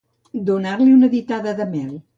Donar-li una ditada de mel.